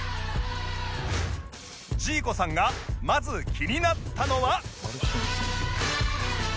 ジーコさんがまず気になったのは